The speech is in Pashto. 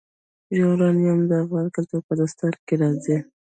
یورانیم د افغان کلتور په داستانونو کې راځي.